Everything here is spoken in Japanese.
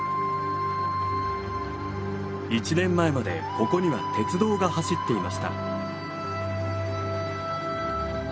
１年前までここには鉄道が走っていました。